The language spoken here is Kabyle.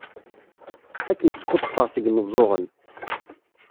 Ad kem-skuḍḍfeɣ seg yimeẓẓuɣen!